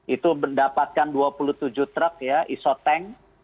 itu mendapatkan dua puluh tujuh truk ya isotank